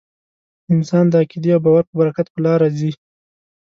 انسان د عقیدې او باور په برکت په لاره ځي.